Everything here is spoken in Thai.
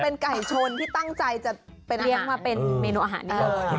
เป็นไก่ชนที่ตั้งใจจะไปเลี้ยงมาเป็นเมนูอาหารนี้เลย